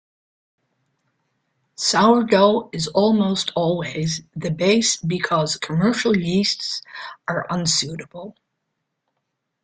Sourdough is almost always the base because commercial yeasts are unsuitable.